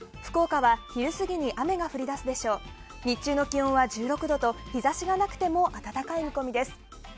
日中の気温は１６度と日差しがなくても暖かい見込みです。